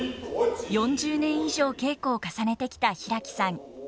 ４０年以上稽古を重ねてきた平木さん。